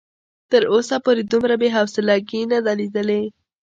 تر اوسه پورې دومره بې حوصلګي نه ده ليدلې.